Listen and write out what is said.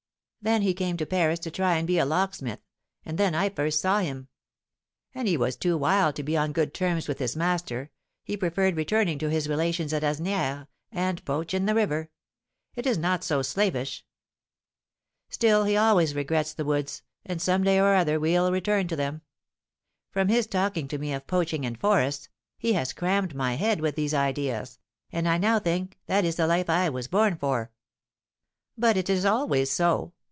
Then he came to Paris to try and be a locksmith, and then I first saw him. As he was too wild to be on good terms with his master, he preferred returning to his relations at Asnières, and poach in the river; it is not so slavish. Still he always regrets the woods, and some day or other will return to them. From his talking to me of poaching and forests, he has crammed my head with these ideas, and I now think that is the life I was born for. But it is always so.